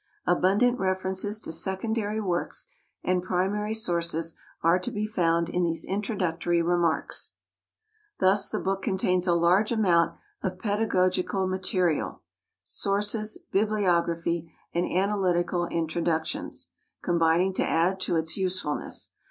Abundant references to secondary works and primary sources are to be found in these introductory remarks. Thus the book contains a large amount of pedagogical material; sources, bibliography, and analytical introductions combining to add to its usefulness.